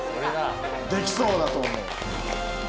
できそうだと思う。